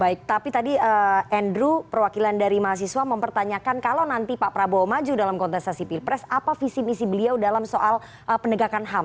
baik tapi tadi andrew perwakilan dari mahasiswa mempertanyakan kalau nanti pak prabowo maju dalam kontestasi pilpres apa visi misi beliau dalam soal penegakan ham